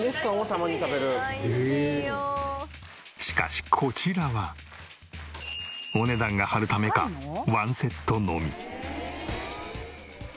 しかしこちらはお値段が張るためかワンセットのみ。